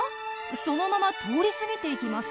そのまま通り過ぎていきます。